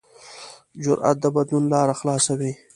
جرأت د بدلون لاره خلاصوي.